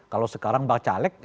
kalau sekarang baca lek